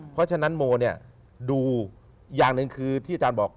เพราะฉะนั้นโมเนี่ยดูอย่างหนึ่งคือที่อาจารย์บอก